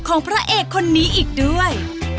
ของพระเอกคนนี้อีกด้วย